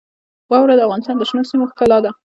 واوره د افغانستان د شنو سیمو ښکلا ده.